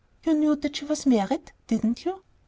You knew that she was married, didn't you?"